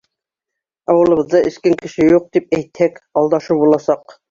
Ауылыбыҙҙа эскән кеше юҡ тип әйтһәк, алдашыу буласаҡ.